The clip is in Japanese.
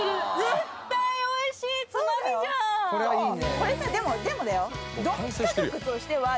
これさでもでもだよ？